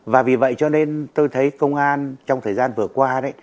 và vì vậy cho nên tôi thấy công an trong thời gian vừa qua đấy